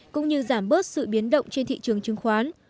cũng như giảm bớt sự biến động trên thị trường chứng khoán